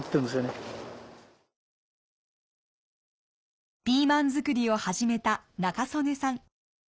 どうにかピーマン作りを始めた仲宗根さん。